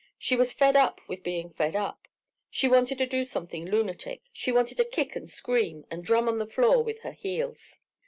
She was fed up with being fed up, she wanted to do something lunatic, she wanted to kick and scream and drum on the floor with her heels.